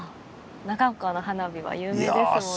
長岡の花火は有名ですもんね。